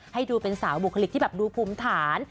ให้ดูเป็นสาวบุคลิกที่แบบดูภูมิฐาน